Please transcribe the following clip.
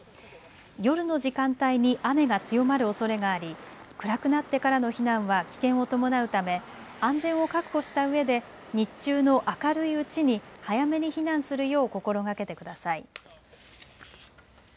夜の時間帯に雨が強まるおそれがあり暗くなってからの避難は危険を伴うため安全を確保したうえで日中の明るいうちに早めに避難するよう心がけてください。